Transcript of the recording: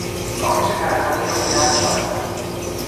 آنچه در ضمیر او نقش بسته است.